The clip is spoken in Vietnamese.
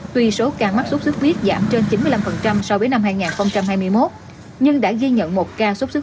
tuy số ca mắc sốt xuất huyết giảm trên chín mươi năm so với năm hai nghìn hai mươi một nhưng đã ghi nhận một ca xuất xuất huyết